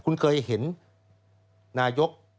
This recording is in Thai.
คุณเคยเห็นนายก